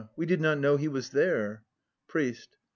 We did not know he was there. PRIEST.